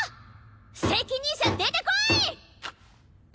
責任者出て来い！